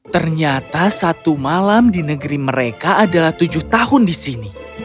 ternyata satu malam di negeri mereka adalah tujuh tahun di sini